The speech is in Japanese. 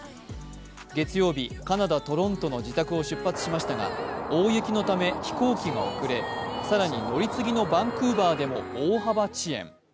月曜日、カナダ・トロントの自宅を出発しましたが大雪のため飛行機が遅れ更に乗り継ぎのバンクーバーでも大幅遅延。